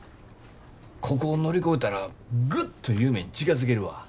ここを乗り越えたらグッと夢に近づけるわ。